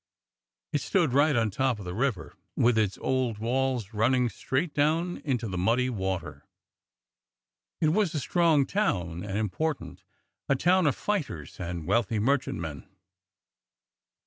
It stood right on top of the river, with its old walls runnin' straight down into the muddy water. It was a strong town and important, a town of fighters and wealthy merchantmen.